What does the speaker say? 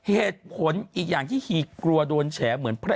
เหตุผลอีกอย่างที่ฮีกลัวโดนแฉเหมือนพระ